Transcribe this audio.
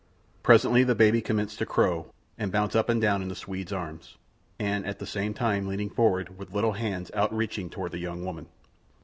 Presently the baby commenced to crow, and bounce up and down in the Swede's arms, at the same time leaning forward with little hands out reaching toward the young woman.